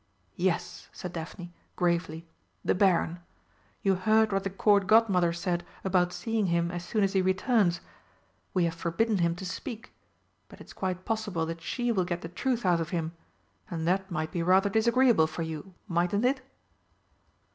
"Yes," said Daphne gravely, "the Baron. You heard what the Court Godmother said about seeing him as soon as he returns? We have forbidden him to speak but it's quite possible that she will get the truth out of him and that might be rather disagreeable for you, mightn't it?"